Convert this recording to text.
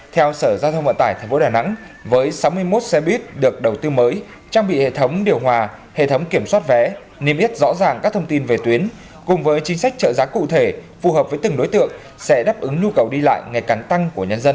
theo sở giao thông vận tải tp đà nẵng với sáu mươi một xe buýt được đầu tư mới trang bị hệ thống điều hòa hệ thống kiểm soát vé niêm yết rõ ràng các thông tin về tuyến cùng với chính sách trợ giá cụ thể phù hợp với từng đối tượng sẽ đáp ứng nhu cầu đi lại ngày càng tăng của nhân dân